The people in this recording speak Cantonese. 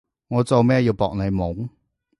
我做咩要搏你懵？